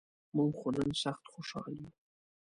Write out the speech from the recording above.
مونږ خو نن سخت خوشال یوو.